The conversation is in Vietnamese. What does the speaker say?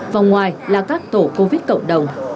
vòng ngoài là các tổ covid cộng đồng